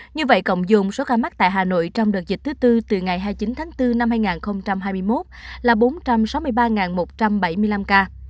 như vậy cộng dồn số ca mắc tại hà nội trong đợt dịch thứ tư từ ngày hai mươi chín tháng bốn năm hai nghìn hai mươi một là bốn trăm sáu mươi ba một trăm bảy mươi năm ca